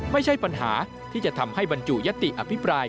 ไม่ใช่ปัญหาที่จะทำให้บรรจุยติอภิปราย